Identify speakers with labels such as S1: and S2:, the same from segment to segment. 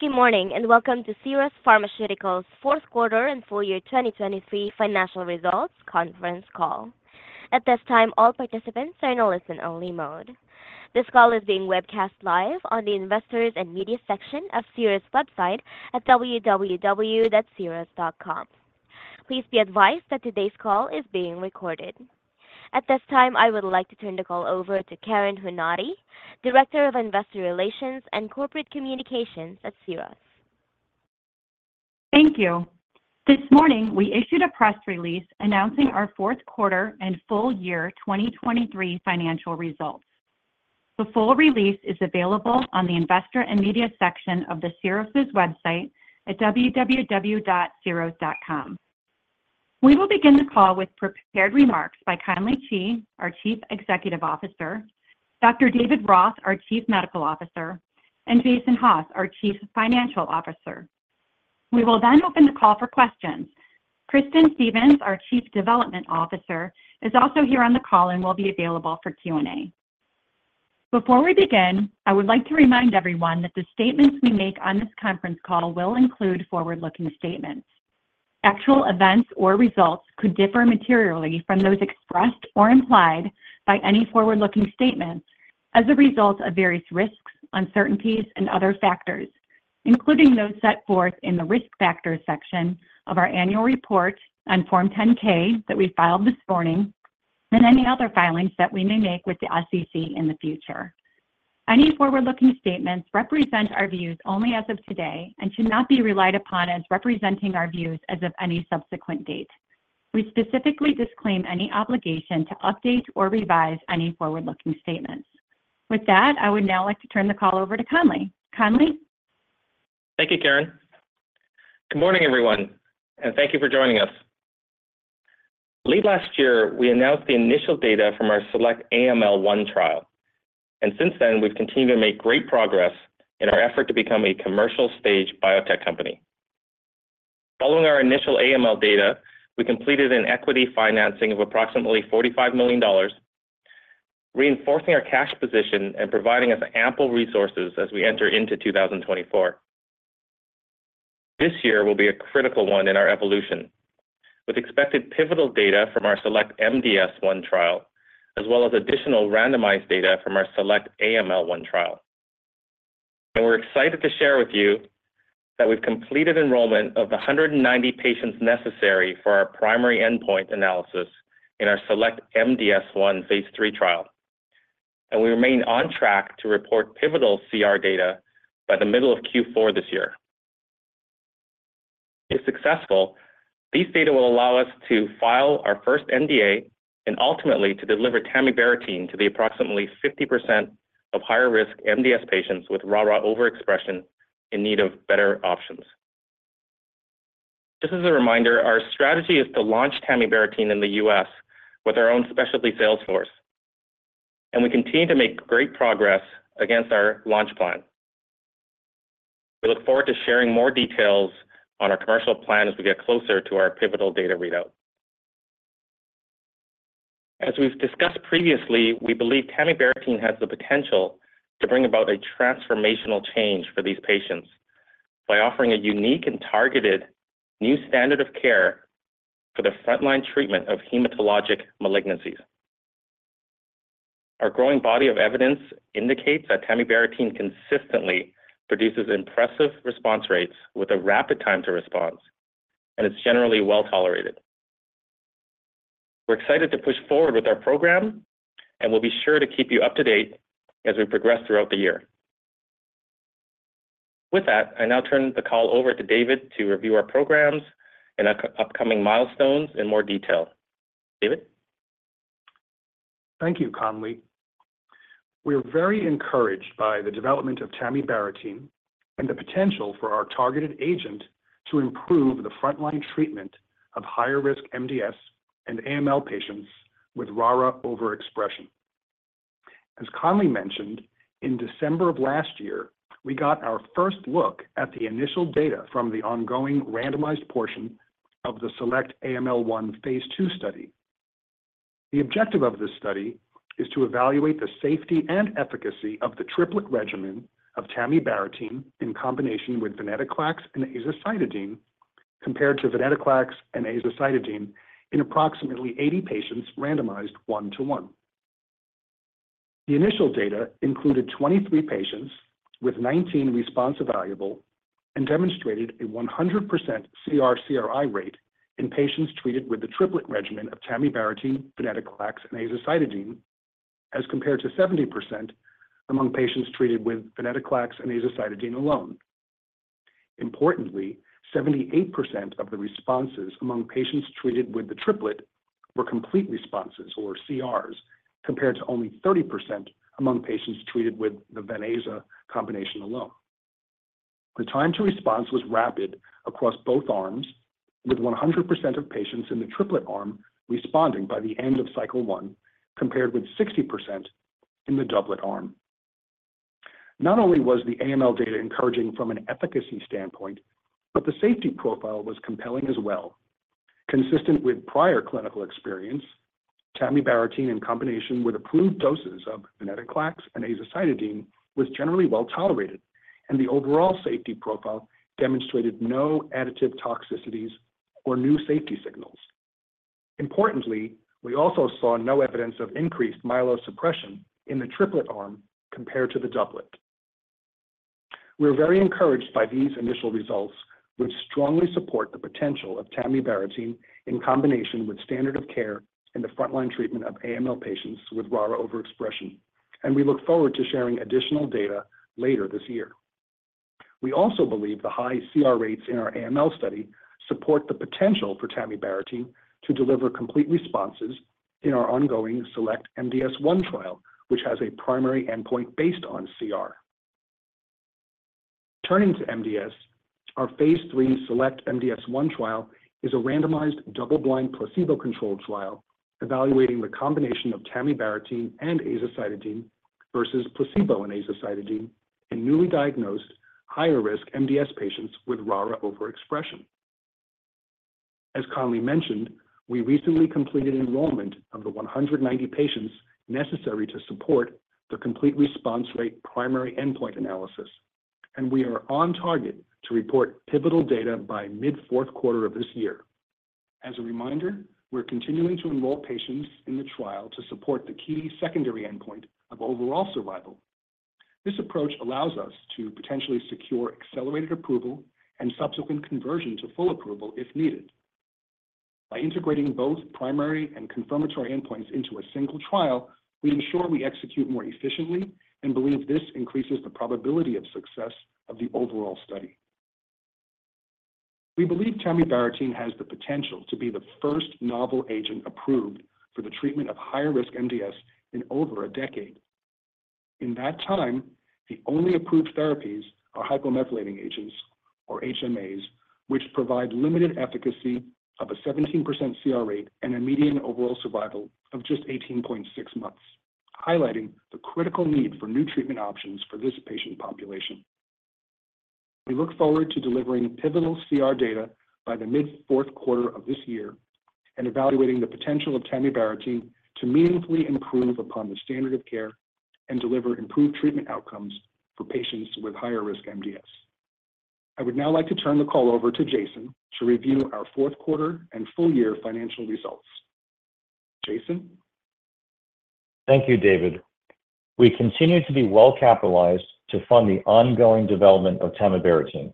S1: Good morning and welcome to Syros Pharmaceuticals' fourth quarter and full year 2023 financial results conference call. At this time, all participants are in a listen-only mode. This call is being webcast live on the Investors and Media section of Syros' website at www.syros.com. Please be advised that today's call is being recorded. At this time, I would like to turn the call over to Karen Hunady, Director of Investor Relations and Corporate Communications at Syros.
S2: Thank you. This morning, we issued a press release announcing our fourth quarter and full year 2023 financial results. The full release is available on the Investor and Media section of the Syros' website at www.syros.com. We will begin the call with prepared remarks by Conley Chee, our Chief Executive Officer, Dr. David Roth, our Chief Medical Officer, and Jason Haas, our Chief Financial Officer. We will then open the call for questions. Kristin Stephens, our Chief Development Officer, is also here on the call and will be available for Q&A. Before we begin, I would like to remind everyone that the statements we make on this conference call will include forward-looking statements. Actual events or results could differ materially from those expressed or implied by any forward-looking statements as a result of various risks, uncertainties, and other factors, including those set forth in the Risk Factors section of our annual report on Form 10-K that we filed this morning and any other filings that we may make with the SEC in the future. Any forward-looking statements represent our views only as of today and should not be relied upon as representing our views as of any subsequent date. We specifically disclaim any obligation to update or revise any forward-looking statements. With that, I would now like to turn the call over to Conley. Conley?
S3: Thank you, Karen. Good morning, everyone, and thank you for joining us. Late last year, we announced the initial data from our SELECT-AML-1 trial, and since then, we've continued to make great progress in our effort to become a commercial-stage biotech company. Following our initial AML data, we completed an equity financing of approximately $45 million, reinforcing our cash position and providing us ample resources as we enter into 2024. This year will be a critical one in our evolution, with expected pivotal data from our SELECT-MDS-1 trial as well as additional randomized data from our SELECT-AML-1 trial. We're excited to share with you that we've completed enrollment of the 190 patients necessary for our primary endpoint analysis in our SELECT-MDS-1 Phase III trial, and we remain on track to report pivotal CR data by the middle of Q4 this year. If successful, these data will allow us to file our first NDA and ultimately to deliver tamibarotene to the approximately 50% of higher-risk MDS patients with RARA overexpression in need of better options. Just as a reminder, our strategy is to launch tamibarotene in the U.S. with our own specialty sales force, and we continue to make great progress against our launch plan. We look forward to sharing more details on our commercial plan as we get closer to our pivotal data readout. As we've discussed previously, we believe tamibarotene has the potential to bring about a transformational change for these patients by offering a unique and targeted new standard of care for the frontline treatment of hematologic malignancies. Our growing body of evidence indicates that tamibarotene consistently produces impressive response rates with a rapid time to response, and it's generally well tolerated. We're excited to push forward with our program, and we'll be sure to keep you up to date as we progress throughout the year. With that, I now turn the call over to David to review our programs and upcoming milestones in more detail. David?
S4: Thank you, Conley. We're very encouraged by the development of tamibarotene and the potential for our targeted agent to improve the frontline treatment of higher-risk MDS and AML patients with RARA overexpression. As Conley mentioned, in December of last year, we got our first look at the initial data from the ongoing randomized portion of the SELECT-AML-1 Phase II study. The objective of this study is to evaluate the safety and efficacy of the triplet regimen of tamibarotene in combination with venetoclax and azacitidine compared to venetoclax and azacitidine in approximately 80 patients randomized one-to-one. The initial data included 23 patients with 19 responses available and demonstrated a 100% CR/CRI rate in patients treated with the triplet regimen of tamibarotene, venetoclax, and azacitidine as compared to 70% among patients treated with venetoclax and azacitidine alone. Importantly, 78% of the responses among patients treated with the triplet were complete responses, or CRs, compared to only 30% among patients treated with the venetoclax combination alone. The time to response was rapid across both arms, with 100% of patients in the triplet arm responding by the end of Cycle 1 compared with 60% in the doublet arm. Not only was the AML data encouraging from an efficacy standpoint, but the safety profile was compelling as well. Consistent with prior clinical experience, tamibarotene in combination with approved doses of venetoclax and azacitidine was generally well tolerated, and the overall safety profile demonstrated no additive toxicities or new safety signals. Importantly, we also saw no evidence of increased myelosuppression in the triplet arm compared to the doublet. We're very encouraged by these initial results, which strongly support the potential of tamibarotene in combination with standard of care in the frontline treatment of AML patients with RARA overexpression, and we look forward to sharing additional data later this year. We also believe the high CR rates in our AML study support the potential for tamibarotene to deliver complete responses in our ongoing SELECT-MDS-1 trial, which has a primary endpoint based on CR. Turning to MDS, our Phase III SELECT-MDS-1 trial is a randomized double-blind placebo-controlled trial evaluating the combination of tamibarotene and azacitidine versus placebo and azacitidine in newly diagnosed, higher-risk MDS patients with RARA overexpression. As Conley mentioned, we recently completed enrollment of the 190 patients necessary to support the complete response rate primary endpoint analysis, and we are on target to report pivotal data by mid-fourth quarter of this year. As a reminder, we're continuing to enroll patients in the trial to support the key secondary endpoint of overall survival. This approach allows us to potentially secure accelerated approval and subsequent conversion to full approval if needed. By integrating both primary and confirmatory endpoints into a single trial, we ensure we execute more efficiently and believe this increases the probability of success of the overall study. We believe tamibarotene has the potential to be the first novel agent approved for the treatment of higher-risk MDS in over a decade. In that time, the only approved therapies are hypomethylating agents, or HMAs, which provide limited efficacy of a 17% CR rate and a median overall survival of just 18.6 months, highlighting the critical need for new treatment options for this patient population. We look forward to delivering pivotal CR data by the mid-fourth quarter of this year and evaluating the potential of tamibarotene to meaningfully improve upon the standard of care and deliver improved treatment outcomes for patients with higher-risk MDS. I would now like to turn the call over to Jason to review our fourth quarter and full year financial results. Jason?
S5: Thank you, David. We continue to be well capitalized to fund the ongoing development of tamibarotene.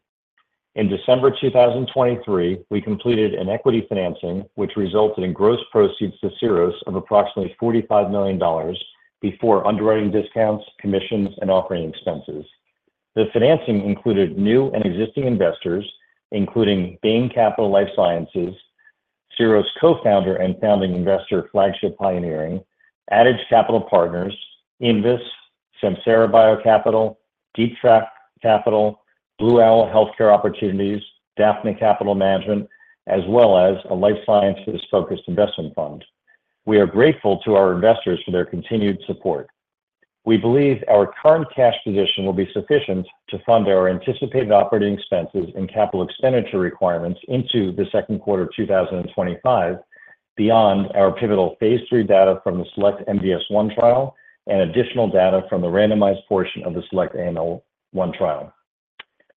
S5: In December 2023, we completed an equity financing, which resulted in gross proceeds to Syros of approximately $45 million before underwriting discounts, commissions, and offering expenses. The financing included new and existing investors, including Bain Capital Life Sciences, Syros co-founder and founding investor Flagship Pioneering, Adage Capital Partners, Invus, Samsara BioCapital, Deep Track Capital, Blue Owl Healthcare Opportunities, Dafna Capital Management, as well as a life sciences-focused investment fund. We are grateful to our investors for their continued support. We believe our current cash position will be sufficient to fund our anticipated operating expenses and capital expenditure requirements into the second quarter of 2025 beyond our pivotal Phase III data from the SELECT-MDS-1 trial and additional data from the randomized portion of the lect SELECT-AML-1.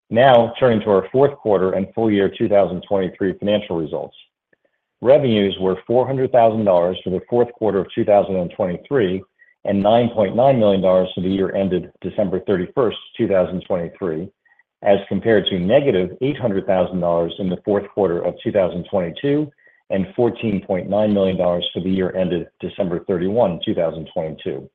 S5: Now, turning to our fourth quarter and full year 2023 financial results. Revenues were $400,000 for the fourth quarter of 2023 and $9.9 million for the year ended December 31st, 2023, as compared to negative $800,000 in the fourth quarter of 2022 and $14.9 million for the year ended December 31, 2022.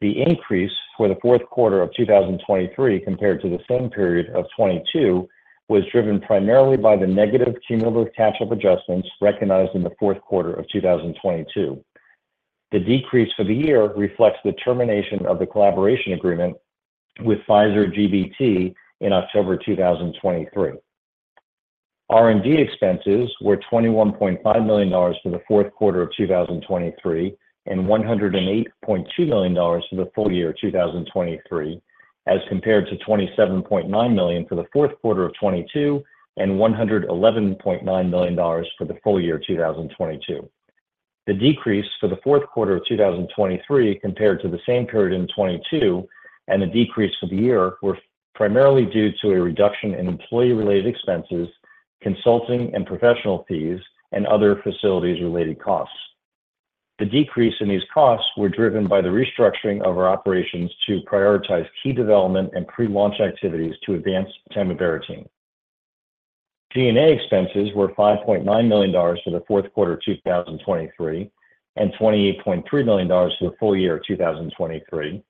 S5: The increase for the fourth quarter of 2023 compared to the same period of 2022 was driven primarily by the negative cumulative catch-up adjustments recognized in the fourth quarter of 2022. The decrease for the year reflects the termination of the collaboration agreement with Pfizer GBT in October 2023. R&D expenses were $21.5 million for the fourth quarter of 2023 and $108.2 million for the full year of 2023, as compared to $27.9 million for the fourth quarter of 2022 and $111.9 million for the full year of 2022. The decrease for the fourth quarter of 2023 compared to the same period in 2022 and the decrease for the year were primarily due to a reduction in employee-related expenses, consulting and professional fees, and other facilities-related costs. The decrease in these costs was driven by the restructuring of our operations to prioritize key development and pre-launch activities to advance tamibarotene. G&A expenses were $5.9 million for the fourth quarter of 2023 and $28.3 million for the full year of 2023,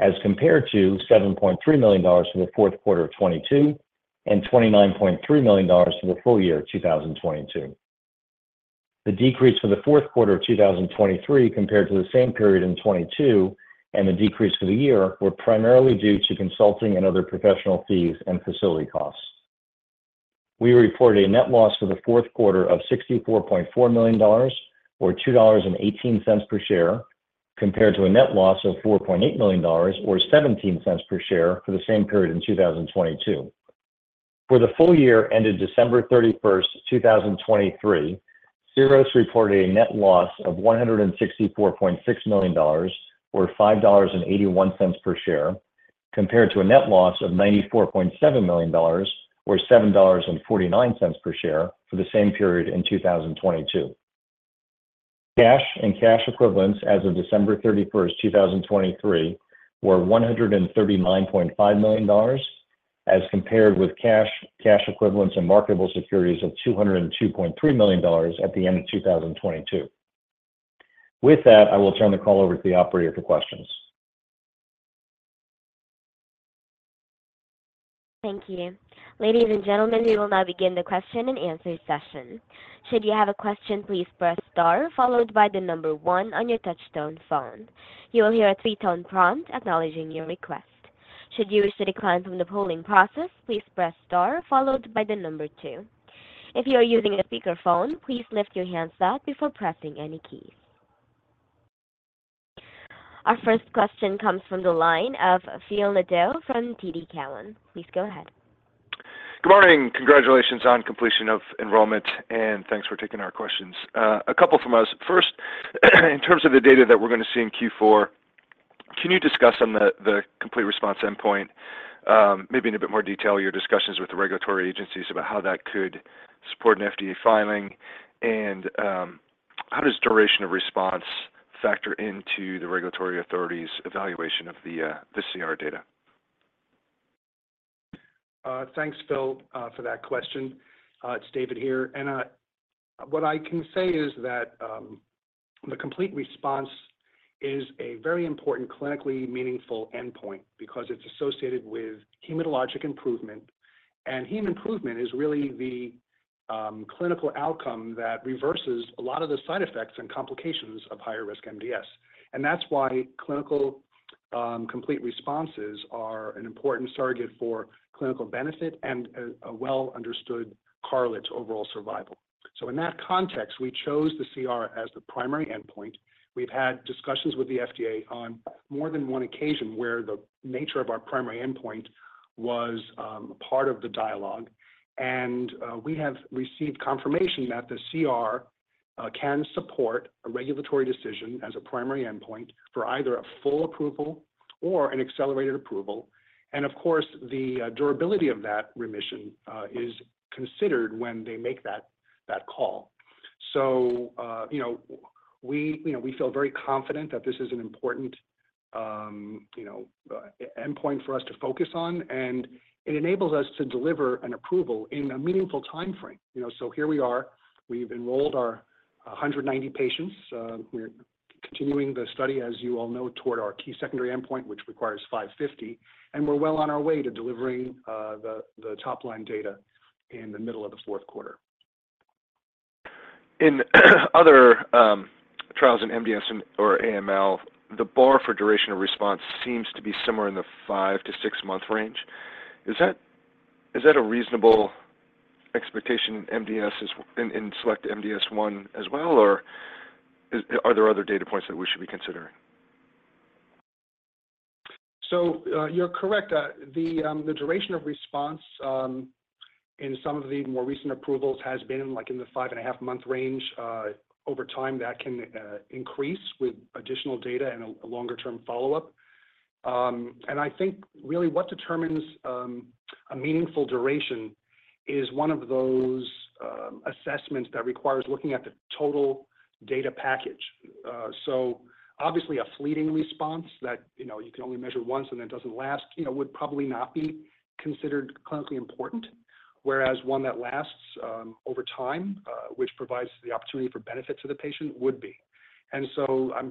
S5: as compared to $7.3 million for the fourth quarter of 2022 and $29.3 million for the full year of 2022. The decrease for the fourth quarter of 2023 compared to the same period in 2022 and the decrease for the year were primarily due to consulting and other professional fees and facility costs. We report a net loss for the fourth quarter of $64.4 million, or $2.18 per share, compared to a net loss of $4.8 million, or $0.17 per share, for the same period in 2022. For the full year ended December 31st, 2023, Syros reported a net loss of $164.6 million, or $5.81 per share, compared to a net loss of $94.7 million, or $7.49 per share, for the same period in 2022. Cash and cash equivalents as of December 31st, 2023, were $139.5 million, as compared with cash equivalents and marketable securities of $202.3 million at the end of 2022. With that, I will turn the call over to the operator for questions.
S1: Thank you. Ladies and gentlemen, we will now begin the question and answer session. Should you have a question, please press * followed by the number 1 on your touch-tone phone. You will hear a three-tone prompt acknowledging your request. Should you wish to decline from the polling process, please press * followed by the Number 2. If you are using a speakerphone, please lift your hands up before pressing any keys. Our first question comes from the line of Phil Nadeau from TD Cowen. Please go ahead.
S6: Good morning. Congratulations on completion of enrollment, and thanks for taking our questions. A couple from us. First, in terms of the data that we're going to see in Q4, can you discuss on the complete response endpoint, maybe in a bit more detail, your discussions with the regulatory agencies about how that could support an FDA filing, and how does duration of response factor into the regulatory authorities' evaluation of the CR data?
S4: Thanks, Phil, for that question. It's David here. What I can say is that the Complete Response is a very important clinically meaningful endpoint because it's associated with hematologic improvement, and heme improvement is really the clinical outcome that reverses a lot of the side effects and complications of higher-risk MDS. That's why clinical Complete Responses are an important surrogate for clinical benefit and a well-understood correlate to overall survival. In that context, we chose the CR as the primary endpoint. We've had discussions with the FDA on more than one occasion where the nature of our primary endpoint was part of the dialogue, and we have received confirmation that the CR can support a regulatory decision as a primary endpoint for either a full approval or an accelerated approval. Of course, the durability of that remission is considered when they make that call. So we feel very confident that this is an important endpoint for us to focus on, and it enables us to deliver an approval in a meaningful time frame. So here we are. We've enrolled our 190 patients. We're continuing the study, as you all know, toward our key secondary endpoint, which requires 550, and we're well on our way to delivering the top-line data in the middle of the fourth quarter.
S6: In other trials in MDS or AML, the bar for duration of response seems to be somewhere in the 5 month-6-month range. Is that a reasonable expectation in MDS in SELECT-MDS-1 as well, or are there other data points that we should be considering?
S4: You're correct. The duration of response in some of the more recent approvals has been in the 5.5-month range. Over time, that can increase with additional data and a longer-term follow-up. I think really what determines a meaningful duration is one of those assessments that requires looking at the total data package. Obviously, a fleeting response that you can only measure once and then doesn't last would probably not be considered clinically important, whereas one that lasts over time, which provides the opportunity for benefit to the patient, would be. I'm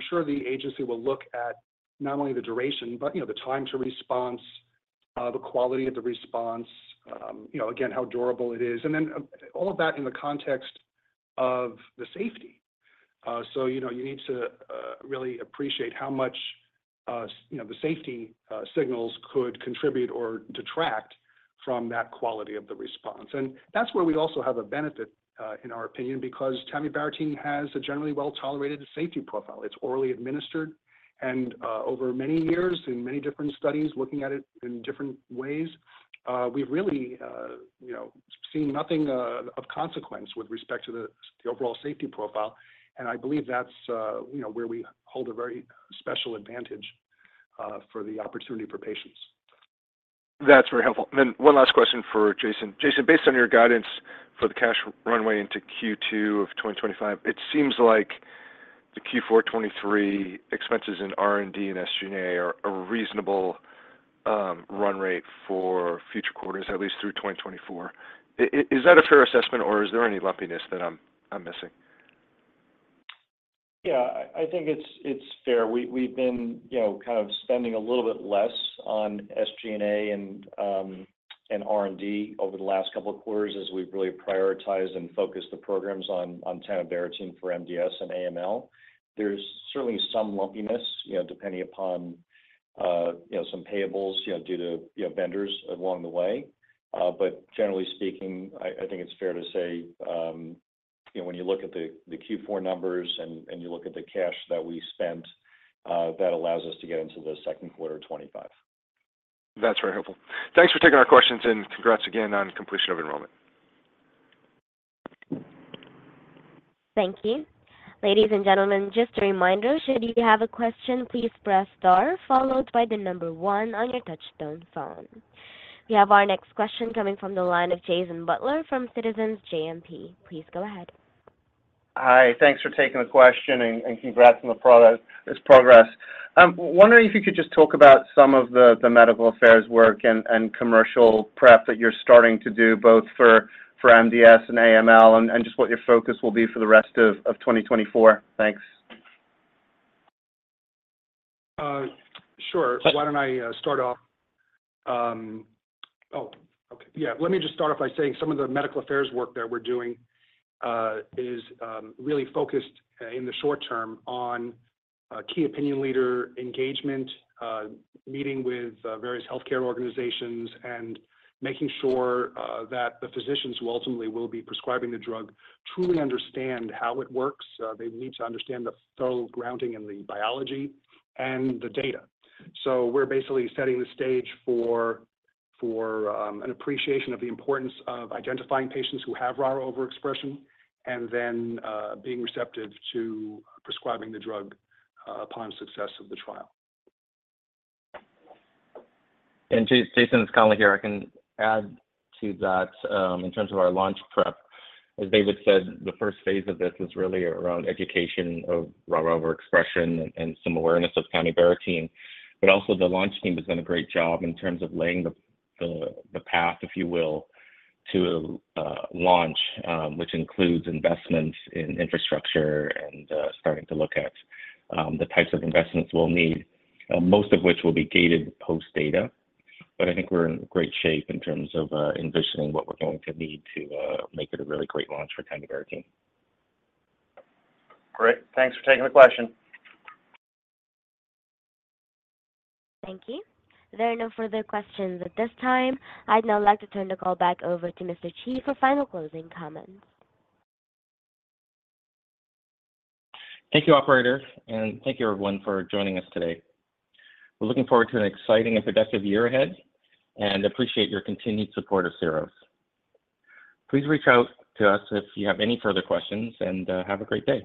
S4: sure the agency will look at not only the duration but the time to response, the quality of the response, again, how durable it is, and then all of that in the context of the safety. So you need to really appreciate how much the safety signals could contribute or detract from that quality of the response. And that's where we also have a benefit, in our opinion, because tamibarotene has a generally well-tolerated safety profile. It's orally administered, and over many years in many different studies looking at it in different ways, we've really seen nothing of consequence with respect to the overall safety profile. And I believe that's where we hold a very special advantage for the opportunity for patients.
S6: That's very helpful. Then one last question for Jason. Jason, based on your guidance for the cash runway into Q2 of 2025, it seems like the Q4 2023 expenses in R&D and SG&A are a reasonable run rate for future quarters, at least through 2024. Is that a fair assessment, or is there any lumpiness that I'm missing?
S5: Yeah, I think it's fair. We've been kind of spending a little bit less on SG&A and R&D over the last couple of quarters as we've really prioritized and focused the programs on tamibarotene for MDS and AML. There's certainly some lumpiness depending upon some payables due to vendors along the way. But generally speaking, I think it's fair to say when you look at the Q4 numbers and you look at the cash that we spent, that allows us to get into the second quarter of 2025.
S6: That's very helpful. Thanks for taking our questions, and congrats again on completion of enrollment.
S1: Thank you. Ladies and gentlemen, just a reminder, should you have a question, please press * followed by the number 1 on your touch-tone phone. We have our next question coming from the line of Jason Butler from Citizens JMP. Please go ahead.
S7: Hi. Thanks for taking the question, and congrats on this progress. I'm wondering if you could just talk about some of the medical affairs work and commercial prep that you're starting to do both for MDS and AML and just what your focus will be for the rest of 2024. Thanks.
S4: Sure. Why don't I start off by saying some of the medical affairs work that we're doing is really focused in the short term on key opinion leader engagement, meeting with various healthcare organizations, and making sure that the physicians who ultimately will be prescribing the drug truly understand how it works. They need to understand the thorough grounding in the biology and the data. So we're basically setting the stage for an appreciation of the importance of identifying patients who have RARA overexpression and then being receptive to prescribing the drug upon success of the trial.
S3: Jason, Conley here. I can add to that in terms of our launch prep. As David said, the first phase of this is really around education of RARA overexpression and some awareness of tamibarotene. But also, the launch team has done a great job in terms of laying the path, if you will, to launch, which includes investments in infrastructure and starting to look at the types of investments we'll need, most of which will be gated post-data. But I think we're in great shape in terms of envisioning what we're going to need to make it a really great launch for tamibarotene.
S7: Great. Thanks for taking the question.
S1: Thank you. There are no further questions at this time. I'd now like to turn the call back over to Mr. Chee for final closing comments.
S3: Thank you, operator, and thank you, everyone, for joining us today. We're looking forward to an exciting and productive year ahead and appreciate your continued support of Syros. Please reach out to us if you have any further questions, and have a great day.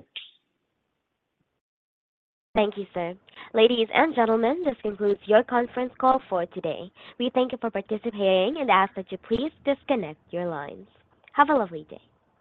S1: Thank you, sir. Ladies and gentlemen, this concludes your conference call for today. We thank you for participating and ask that you please disconnect your lines. Have a lovely day.